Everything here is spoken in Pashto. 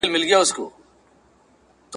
چي به کله د دمې لپاره تم سو ..